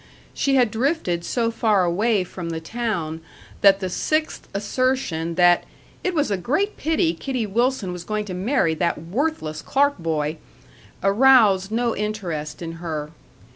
She had drifted so far away from the town that the sixth assertion that "it was a great pity Kitty Wilson was going to marry that worthless Clark boy" aroused no interest in her.